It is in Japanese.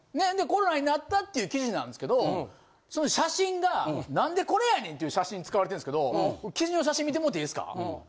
コロナになったっていう記事なんですけど写真が何でこれやねんって写真使われてるんですけど記事の写真見てもうていいですか？